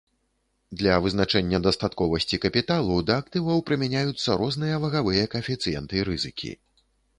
Для вызначэння дастатковасці капіталу да актываў прымяняюцца розныя вагавыя каэфіцыенты рызыкі.